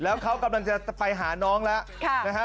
แล้วเขากำลังจะไปหาน้องแล้วนะฮะ